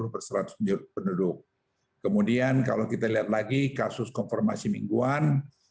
dua puluh persen penduduk kemudian kalau kita lihat lagi kasus konfirmasi mingguan